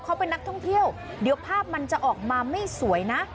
เขาเป็นนักท่องเที่ยวเดี๋ยวภาพมันจะออกมาไม่สวยนะ